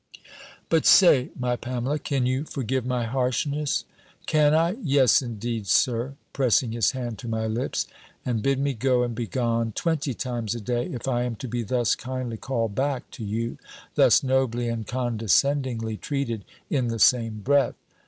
"But, say, my Pamela, can you forgive my harshness?" "Can I! Yes, indeed, Sir," pressing his hand to my lips; "and bid me Go, and Be gone, twenty times a day, if I am to be thus kindly called back to you, thus nobly and condescendingly treated, in the same breath!